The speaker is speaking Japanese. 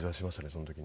その時に。